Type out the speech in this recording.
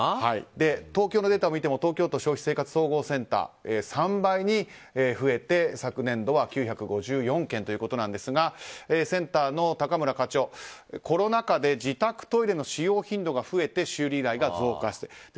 東京のデータを見ても東京都消費生活総合センター３倍に増えて昨年度は９５４件ということなんですがセンターの高村課長コロナ禍で自宅トイレの使用頻度が増えて修理依頼が増加している。